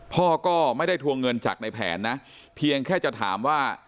พ่อก็ไม่ได้ทวงเงินจากในแผนนะเพียงแค่จะถามว่า